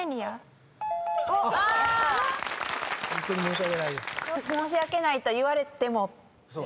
「申し訳ない」と言われても。